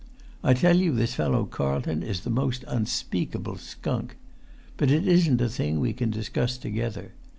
I tell you this fellow Carlton is the most unspeakable skunk. But it isn't a thing we can discuss together.